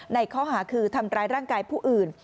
ในข้อหาคือทำร้ายร่างกายผู้อื่น